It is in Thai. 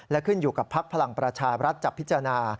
และขึ้นอยู่กับภักดิ์พลังประชารัฐจะพิจารณา